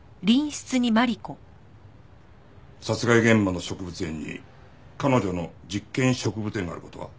殺害現場の植物園に彼女の実験植物園がある事は？